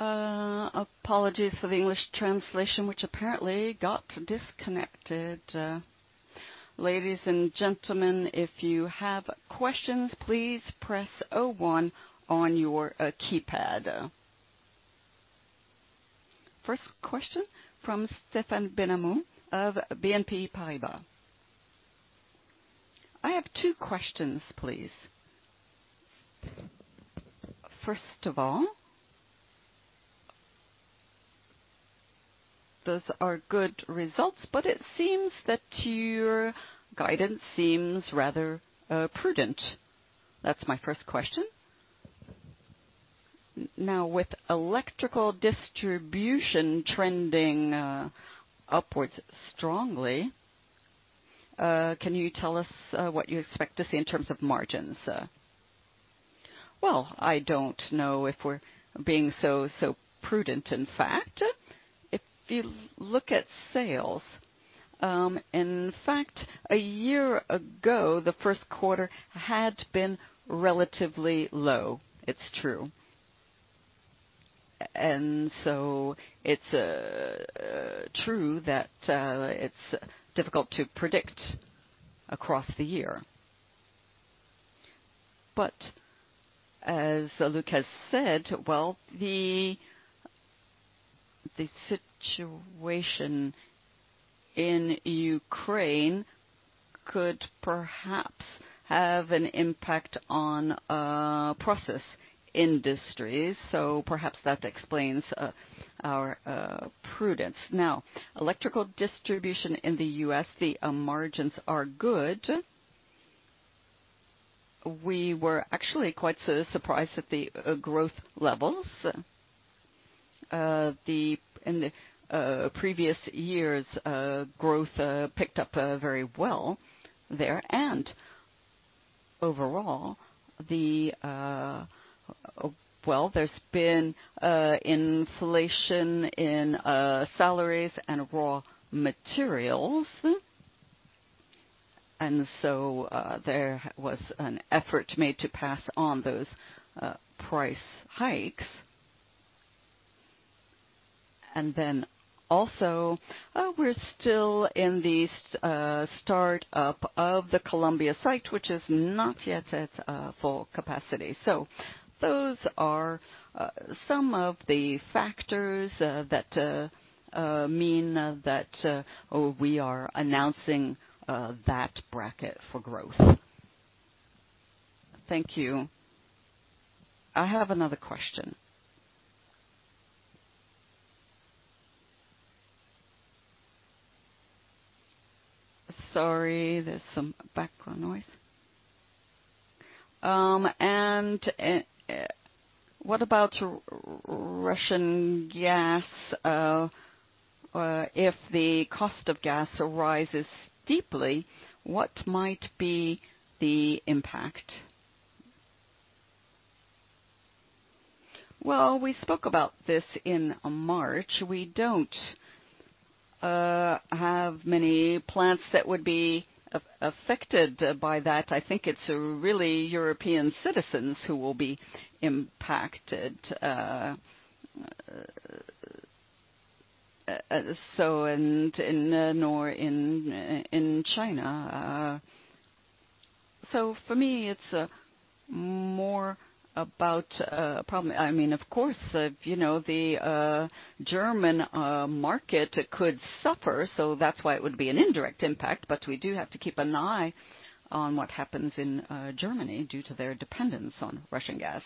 Apologies for the English translation, which apparently got disconnected. Ladies and gentlemen, if you have questions, please press 0one on your keypad. First question from Stéphane Benhamou of BNP Paribas. I have two questions, please. First of all, those are good results, but it seems that your guidance seems rather prudent. That's my first question. Now, with electrical distribution trending upwards strongly, can you tell us what you expect to see in terms of margins? I don't know if we're being so, so prudent. In fact, if you look at sales, in fact, a year ago, the first quarter had been relatively low, it's true. It's true that it's difficult to predict across the year. As Luke has said, the situation in Ukraine could perhaps have an impact on process industries, so perhaps that explains our prudence. Now, electrical distribution in the U.S., the margins are good. We were actually quite surprised at the growth levels. In the previous years, growth picked up very well there. Overall, there has been inflation in salaries and raw materials. There was an effort made to pass on those price hikes. We are still in the startup of the Columbia site, which is not yet at full capacity. Those are some of the factors that mean that we are announcing that bracket for growth. Thank you. I have another question. Sorry, there's some background noise. What about Russian gas? If the cost of gas rises deeply, what might be the impact? We spoke about this in March. We do not have many plants that would be affected by that. I think it's really European citizens who will be impacted, and in China. For me, it's more about, probably, I mean, of course, you know, the German market could suffer, so that's why it would be an indirect impact. We do have to keep an eye on what happens in Germany due to their dependence on Russian gas.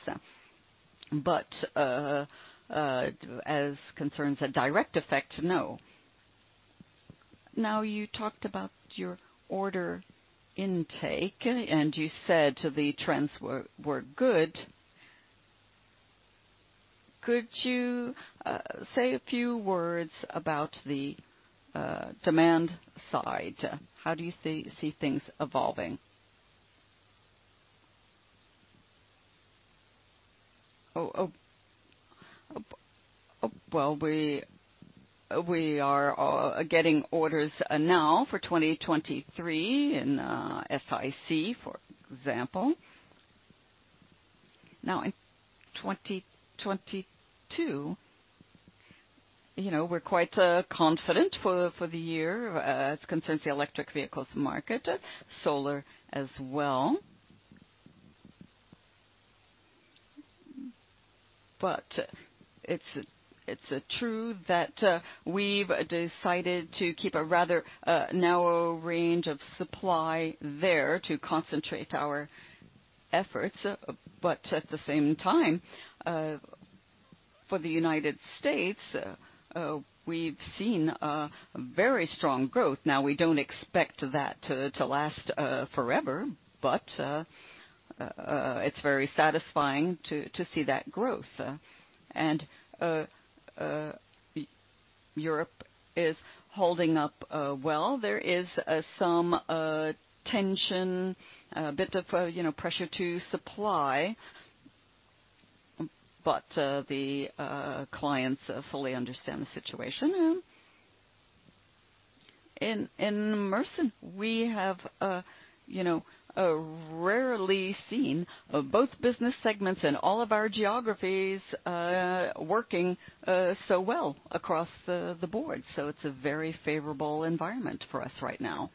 As concerns a direct effect, no. You talked about your order intake, and you said the trends were good. Could you say a few words about the demand side? How do you see things evolving? We are getting orders now for 2023 in SiC, for example. In 2022, you know, we're quite confident for the year, as concerns the electric vehicles market, solar as well. It is true that we have decided to keep a rather narrow range of supply there to concentrate our efforts. At the same time, for the United States, we have seen very strong growth. We do not expect that to last forever, but it is very satisfying to see that growth. Europe is holding up well. There is some tension, a bit of, you know, pressure to supply. The clients fully understand the situation. In Mersen, we have rarely seen both business segments and all of our geographies working so well across the board. It is a very favorable environment for us right now.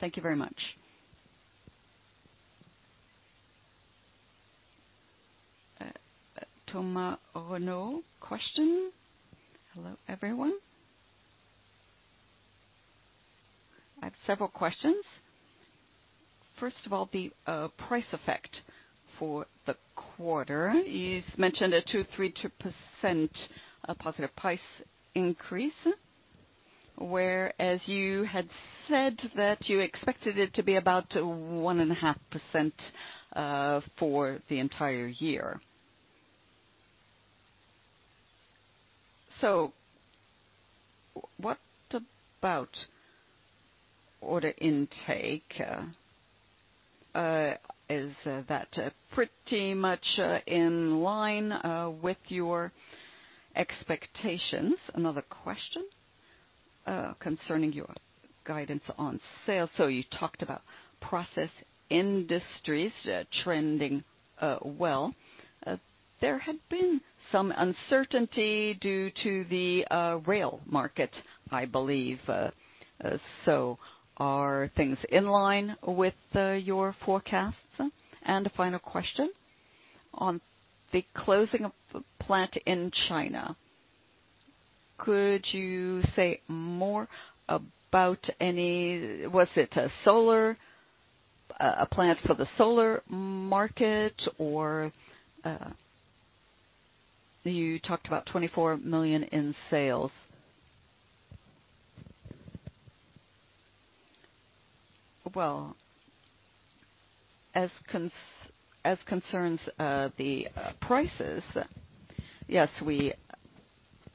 Thank you very much. Thomas Renault, question? Hello, everyone. I have several questions. First of all, the price effect for the quarter. You mentioned a 2%, 3%, 2% positive price increase, whereas you had said that you expected it to be about 1.5% for the entire year. What about order intake? Is that pretty much in line with your expectations? Another question, concerning your guidance on sales. You talked about process industries trending well. There had been some uncertainty due to the rail market, I believe. Are things in line with your forecasts? A final question. On the closing of the plant in China, could you say more about any—was it a solar, a plant for the solar market, or you talked about 24 million in sales? As concerns the prices, yes, we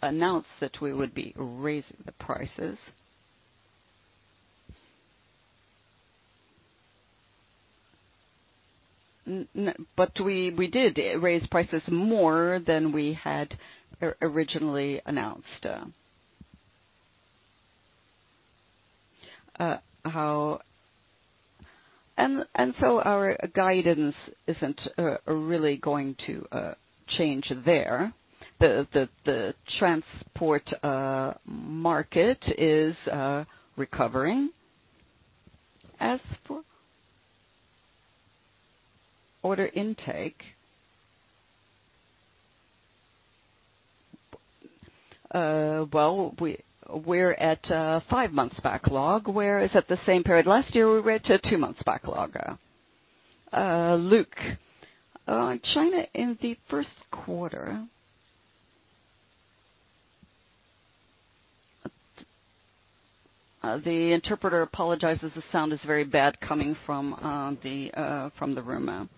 announced that we would be raising the prices. N-n but we did raise prices more than we had originally announced. How—and so our guidance isn't really going to change there. The transport market is recovering. As for order intake, we are at five months backlog, whereas at the same period last year, we were at two months backlog. Luke, China in the first quarter—the interpreter apologizes. The sound is very bad coming from the room.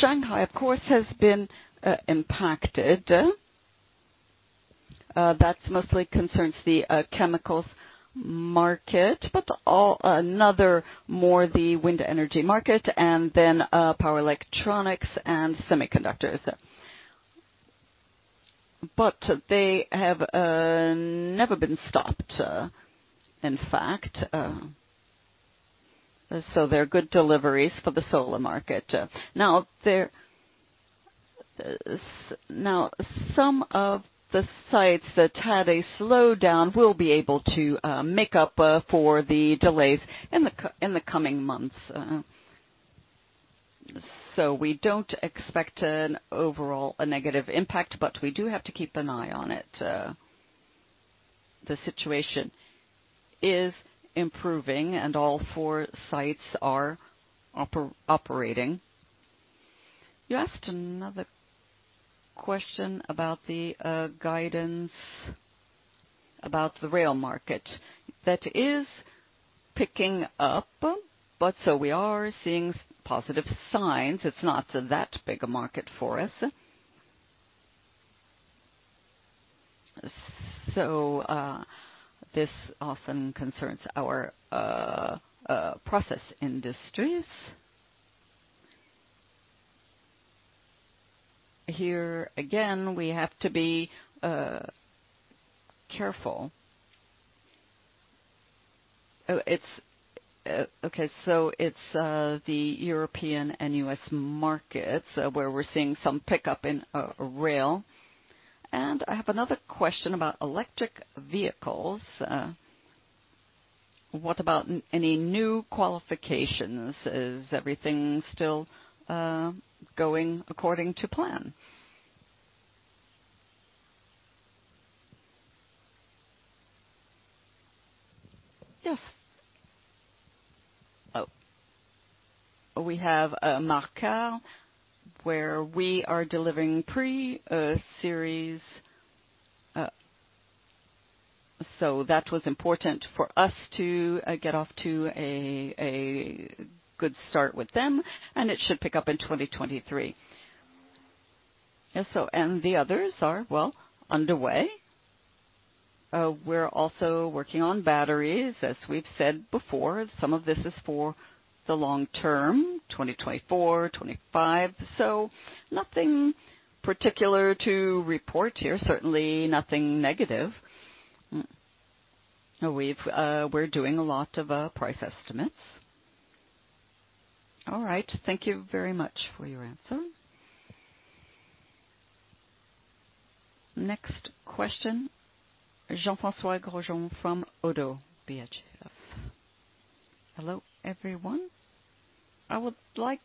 Shanghai, of course, has been impacted. That mostly concerns the chemicals market, but also the wind energy market, and then power electronics and semiconductors. They have never been stopped, in fact. There are good deliveries for the solar market. Now, some of the sites that had a slowdown will be able to make up for the delays in the coming months. We do not expect an overall negative impact, but we do have to keep an eye on it. The situation is improving, and all four sites are operating. You asked another question about the guidance about the rail market. That is picking up, but we are seeing positive signs. It's not that big a market for us. This often concerns our process industries. Here again, we have to be careful. It's the European and US markets where we're seeing some pickup in rail. I have another question about electric vehicles. What about any new qualifications? Is everything still going according to plan? Yes. We have a marker where we are delivering pre-series. That was important for us to get off to a good start with them, and it should pick up in 2023. The others are well underway. We're also working on batteries, as we've said before. Some of this is for the long term, 2024, 2025. Nothing particular to report here, certainly nothing negative. Mm-hmm. We're doing a lot of price estimates. All right. Thank you very much for your answer. Next question, Jean-François Grosjean from ODDO BHF. Hello, everyone. I would like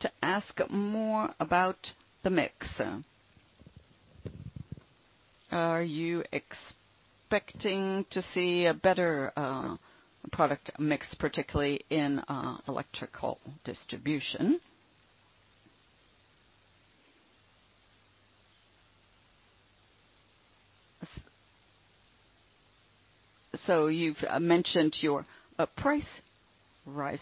to ask more about the mix. Are you expecting to see a better product mix, particularly in electrical distribution? You've mentioned your price rise.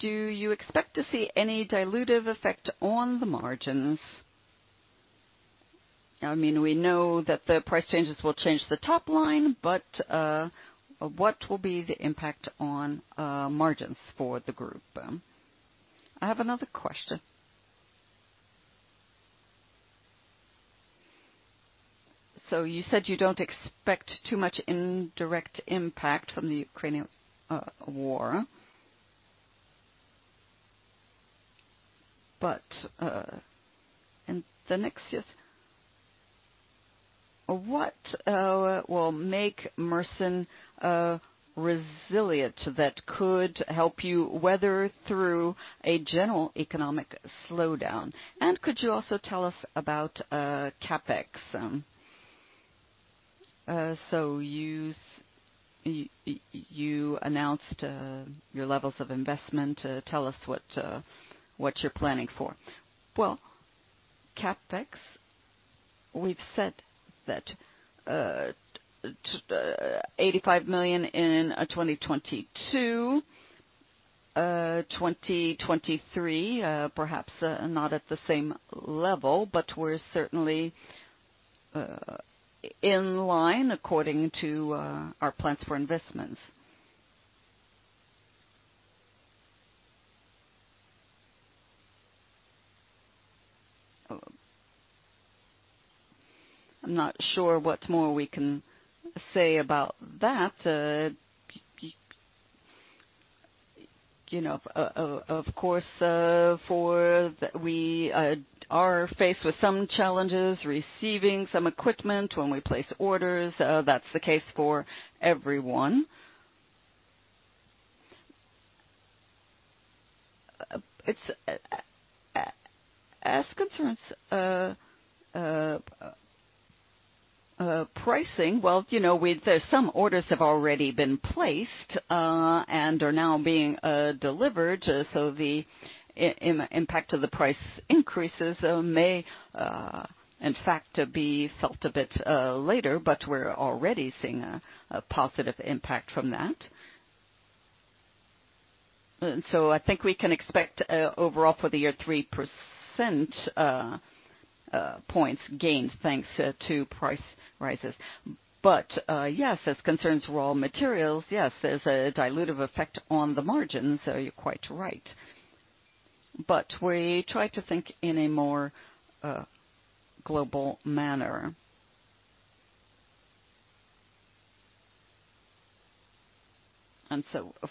Do you expect to see any dilutive effect on the margins? I mean, we know that the price changes will change the top line, but what will be the impact on margins for the group? I have another question. You said you don't expect too much indirect impact from the Ukrainian war. In the next years, what will make Mersen resilient? That could help you weather through a general economic slowdown. Could you also tell us about CapEx? You announced your levels of investment. Tell us what, what you're planning for. CapEx, we've said that, 85 million in 2022. 2023, perhaps, not at the same level, but we're certainly in line according to our plans for investments. I'm not sure what more we can say about that. You know, of course, for that, we are faced with some challenges receiving some equipment when we place orders. That's the case for everyone. As concerns pricing, you know, there's some orders have already been placed, and are now being delivered. The impact of the price increases may, in fact, be felt a bit later, but we're already seeing a positive impact from that. I think we can expect, overall for the year, 3 percentage points gained thanks to price rises. Yes, as concerns raw materials, yes, there's a dilutive effect on the margins, so you're quite right. We try to think in a more global manner.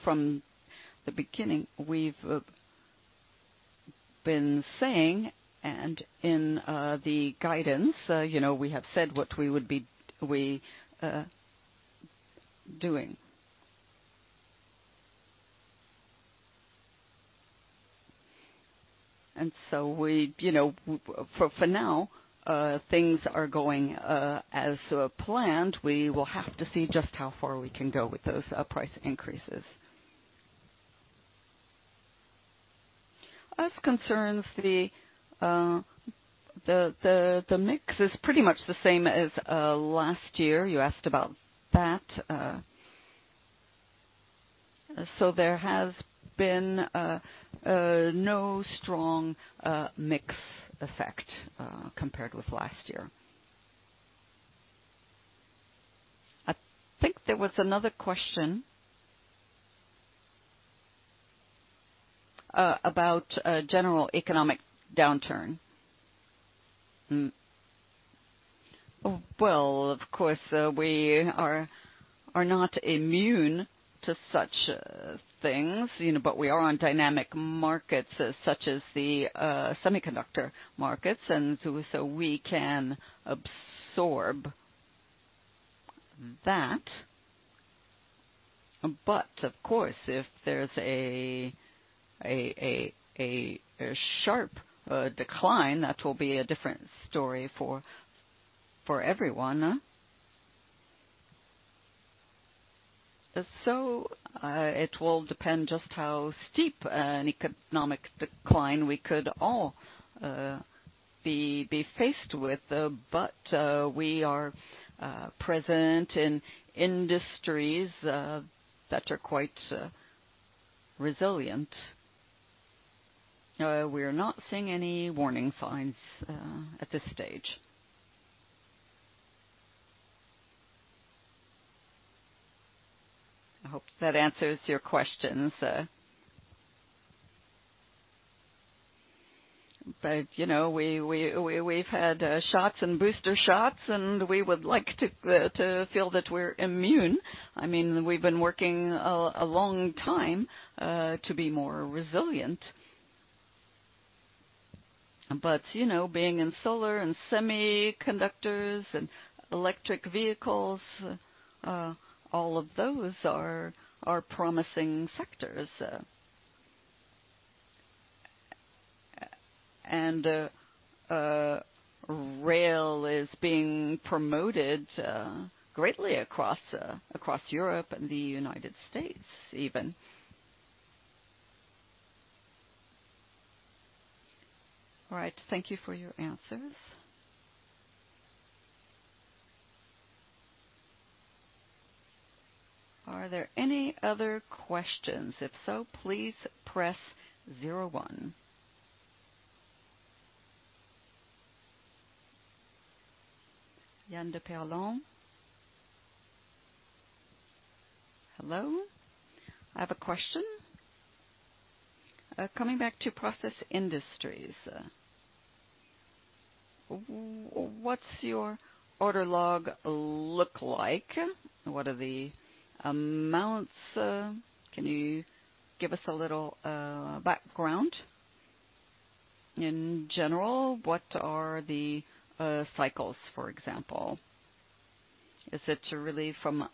From the beginning, we've been saying, and in the guidance, you know, we have said what we would be doing. You know, for now, things are going as planned. We will have to see just how far we can go with those price increases. As concerns the mix, it is pretty much the same as last year. You asked about that, so there has been no strong mix effect compared with last year. I think there was another question about general economic downturn. Of course, we are not immune to such things, you know, but we are on dynamic markets, such as the semiconductor markets, and so we can absorb that. Of course, if there's a sharp decline, that will be a different story for everyone. It will depend just how steep an economic decline we could all be faced with. We are present in industries that are quite resilient. We are not seeing any warning signs at this stage. I hope that answers your questions. You know, we have had shots and booster shots, and we would like to feel that we're immune. I mean, we've been working a long time to be more resilient. You know, being in solar and semiconductors and electric vehicles, all of those are promising sectors. Rail is being promoted greatly across Europe and the United States even. All right. Thank you for your answers. Are there any other questions? If so, please press zero one. Hello. I have a question. Coming back to process industries, what's your order log look like? What are the amounts? Can you give us a little background? In general, what are the cycles, for example? Is it really from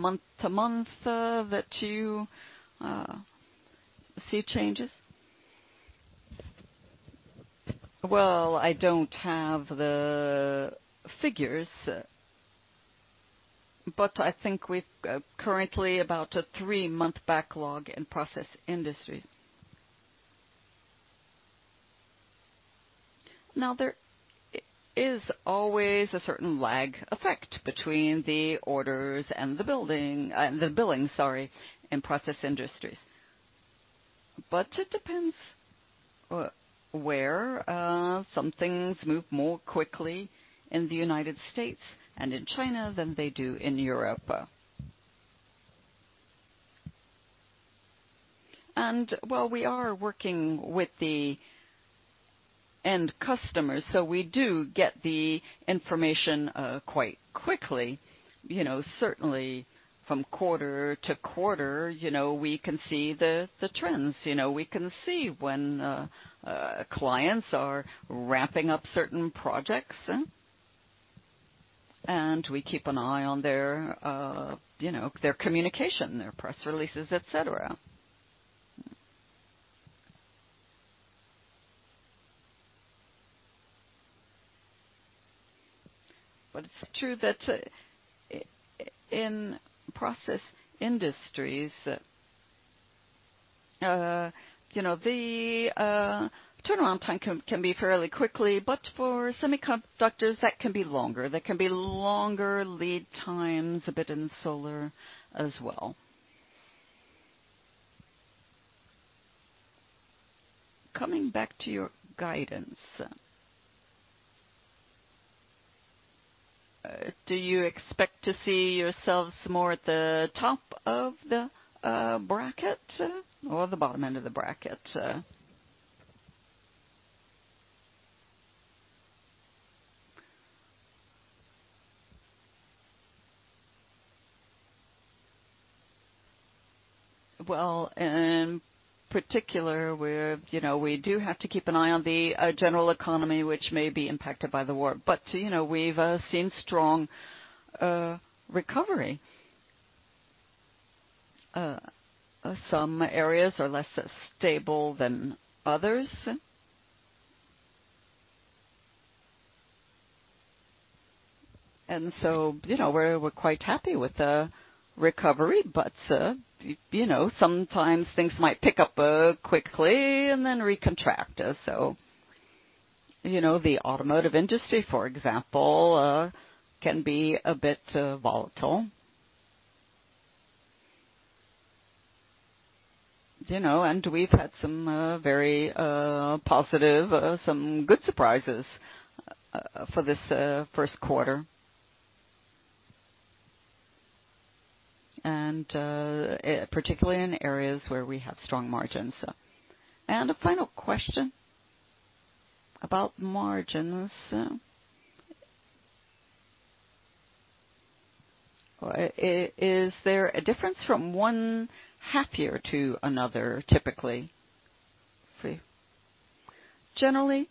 month to month that you see changes? I don't have the figures, but I think we've currently about a three-month backlog in process industries. There is always a certain lag effect between the orders and the billing, sorry, in process industries. It depends where. Some things move more quickly in the United States and in China than they do in Europe. We are working with the end customers, so we do get the information quite quickly. You know, certainly from quarter to quarter, you know, we can see the trends. You know, we can see when clients are ramping up certain projects, and we keep an eye on their, you know, their communication, their press releases, etc. It's true that, in process industries, you know, the turnaround time can be fairly quickly, but for semiconductors, that can be longer. There can be longer lead times a bit in solar as well. Coming back to your guidance, do you expect to see yourselves more at the top of the bracket, or the bottom end of the bracket? In particular, we're, you know, we do have to keep an eye on the general economy, which may be impacted by the war. You know, we've seen strong recovery. Some areas are less stable than others. You know, we're quite happy with the recovery, but, you know, sometimes things might pick up quickly and then recontract, so. You know, the automotive industry, for example, can be a bit volatile. You know, and we've had some very positive, some good surprises, for this first quarter. And, particularly in areas where we have strong margins. A final question about margins. Is there a difference from one half year to another, typically? Generally,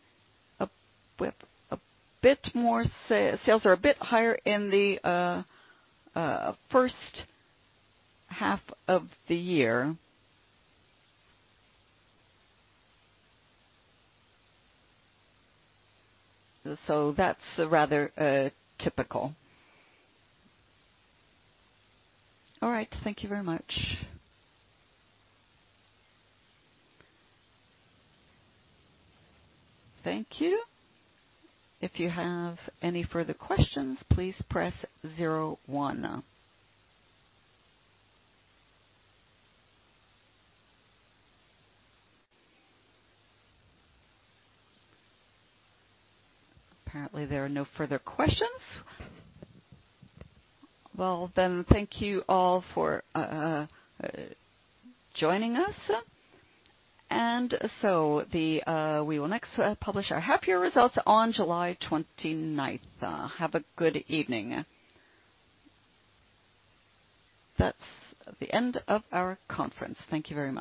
with a bit more, sales are a bit higher in the first half of the year. That is rather typical. All right. Thank you very much. Thank you. If you have any further questions, please press 01. Apparently, there are no further questions. Thank you all for joining us. We will next publish our half-year results on July 29th. Have a good evening. That is the end of our conference. Thank you very much.